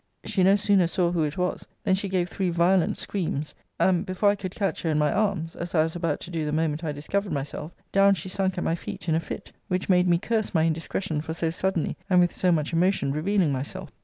She no sooner saw who it was, than she gave three violent screams; and, before I could catch her in my arms, (as I was about to do the moment I discovered myself,) down she sunk at my feet in a fit; which made me curse my indiscretion for so suddenly, and with so much emotion, revealing myself.